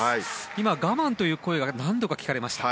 今、我慢という声が何度か、聞かれました。